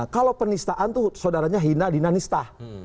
kalau penistaan itu saudaranya hina dinanista